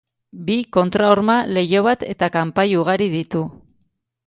Bi kontrahorma, leiho bat eta kanpai ugari ditu.